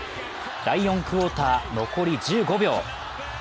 第４クオーター残り１５秒。